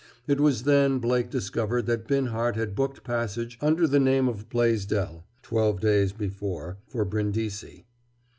It was then Blake discovered that Binhart had booked passage under the name of Blaisdell, twelve days before, for Brindisi.